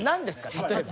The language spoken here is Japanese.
例えば。